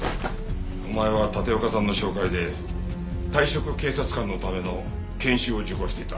お前は立岡さんの紹介で退職警察官のための研修を受講していた。